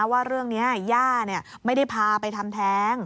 ว่าเรื่องนี้ย่าไม่ได้พาไปทำแท้ง